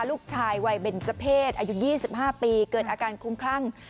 ลูกชายวัยเบนเจอร์เพศอายุ๒๕ปีเกิดอาการคลุ้มคลั่ง